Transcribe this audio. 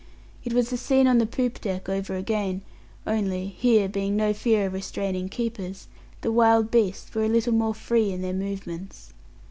It was the scene on the poop deck over again; only, here being no fear of restraining keepers, the wild beasts were a little more free in their movements.